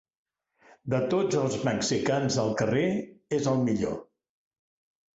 De tots els mexicans del carrer, és el millor.